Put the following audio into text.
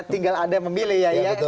tinggal anda memilih ya